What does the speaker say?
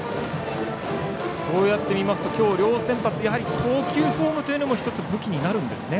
そうやって見ますと今日、両先発投球フォームというのも１つ武器になるんですね。